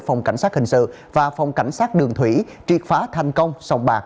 phòng cảnh sát hình sự và phòng cảnh sát đường thủy triệt phá thành công sòng bạc